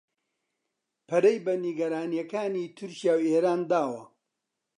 پەرەی بە نیگەرانییەکانی تورکیا و ئێران داوە